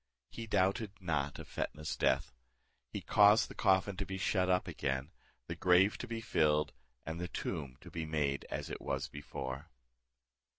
He doubted not of Fetnah's death. He caused the coffin to be shut up again, the grave to be filled, and the tomb to be made as it was before.